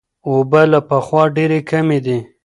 اوبه له پخوا ډېرې کمې دي.